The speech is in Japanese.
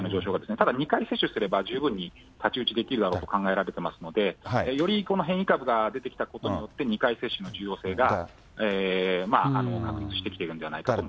ただ、２回接種すれば、十分に太刀打ちできるだろうと考えられていますので、よりこの変異株が出てきたことによって、２回接種の重要性が確立してきてるんじゃないかと思います。